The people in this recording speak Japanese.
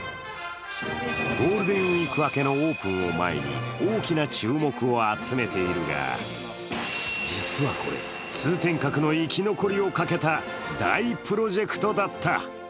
ゴールデンウイーク明けのオープンを前に、大きな注目を集めているが、実はこれ、通天閣の生き残りをかけた大プロジェクトだった。